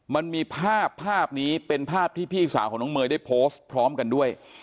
มันมีภาพภาพนี้เป็นภาพที่พี่สาวของน้องเมย์ได้โพสต์พร้อมกันด้วย